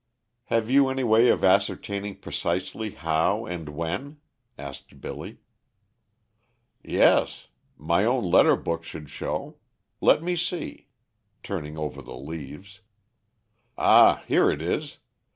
"Have you any way of ascertaining precisely how and when?" asked Billy. "Yes; my own letter book should show. Let me see," turning over the leaves, "Ah, here it is.